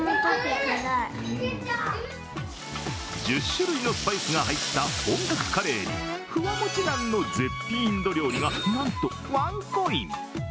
１０種類のスパイスが入った本格カレーにふわもちナンの絶品インド料理が、なんとワンコイン。